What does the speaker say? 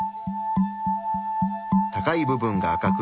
高い部分が赤く